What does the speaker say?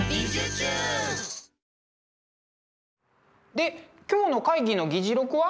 で今日の会議の議事録は？